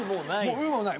「う」もない。